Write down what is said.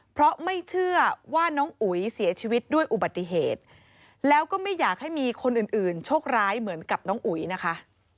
เพราะไม่เชื่อว่าน้องอุ๋ยเสียชีวิตด้วยอุบัติเหตุแล้วก็ไม่อยากให้มีคนอื่นอื่นโชคร้ายเหมือนกับน้องอุ๋ยนะคะ